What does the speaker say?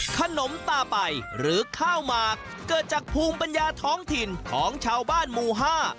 ขนมตาไปหรือข้าวหมากเกิดจากภูมิปัญญาท้องถิ่นของชาวบ้านหมู่ห้า